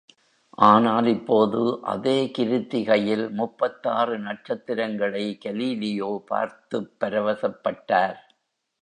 ஆனால், இப்போது அதே கிருத்திகையில் முப்பத்தாறு நட்சத்திரங்களை கலீலியோ பார்த்துப் பரவசப்பட்டார்.